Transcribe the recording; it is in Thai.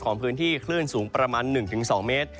พื้นที่คลื่นสูงประมาณ๑๒เมตร